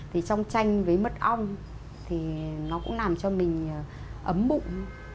trong chanh với mật ong thì nó cũng làm cho mình ấm bụng